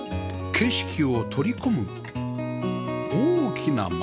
景色を取り込む大きな窓